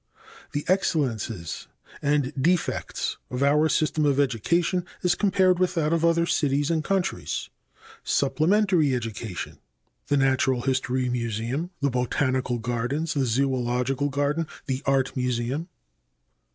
The excellences and defects of our system of education as compared with that of other cities and countries. Supplementary education. 1. The Natural History Museum. 2. The Botanical Gardens. 3. The Zoological Garden. 4. The Art Museum.